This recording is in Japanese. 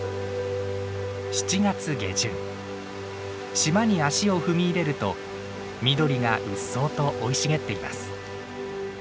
島に足を踏み入れると緑がうっそうと生い茂っています。